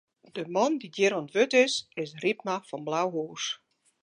De man dy't hjir oan it wurd is, is Rypma fan Blauhûs.